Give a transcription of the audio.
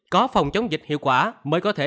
có phòng chống dịch hiệu quả mới có thể